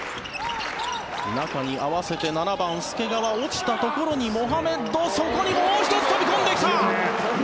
中に合わせて７番、介川落ちたところにモハメッドそこにもう一つ飛び込んできた。